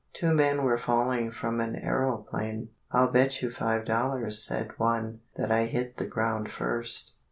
Two men were falling from an aeroplane. "I'll bet you five dollars," said one, "that I hit the ground first."